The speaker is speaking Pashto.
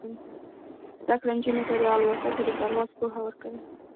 زده کړه نجونو ته د الوتکو د پرواز پوهه ورکوي.